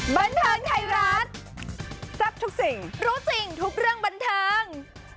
บันเทิงไทยรัฐทรัพย์ทุกสิ่งรู้จริงทุกเรื่องบันเทิง